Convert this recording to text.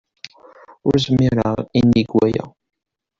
Ur zmireɣ i nnig waya.